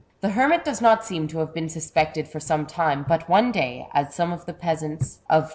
The hermit does not seem to have been suspected for some time, but one day, as some of the peasants of 76 THE BOOK OF WERE WOLVES.